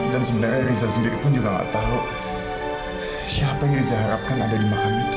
dan sebenarnya riza sendiri pun juga gak tahu siapa yang riza harapkan ada di makam itu